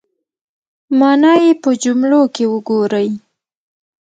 مانا یې په جملو کې وګورئ